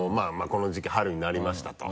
「この時季春になりました」と。